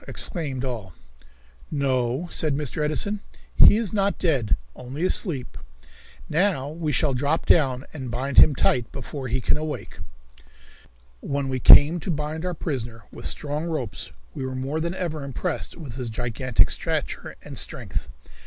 exclaimed all. "No," said Mr. Edison, "he is not dead, only asleep. Now we shall drop down and bind him tight before he can awake." When we came to bind our prisoner with strong ropes we were more than ever impressed with his gigantic stature and strength.